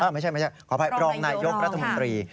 ไม่ใช่ขออภัยรองนายยกรัฐมนตรี